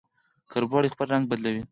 کربوړی خپل رنګ بدلوي